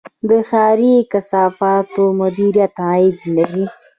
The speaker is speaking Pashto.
د ښاري کثافاتو مدیریت عاید لري